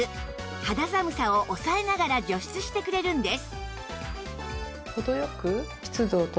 肌寒さを抑えながら除湿してくれるんです